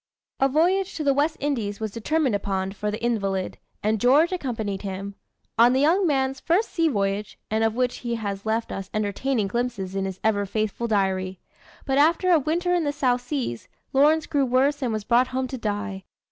A voyage to the West Indies was determined upon, for the invalid, and George accompanied him on the young man's first sea voyage, and of which he has left us entertaining glimpses in his ever faithful diary. But after a winter in the South Seas, Lawrence grew worse and was brought home to die.